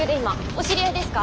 お知り合いですか？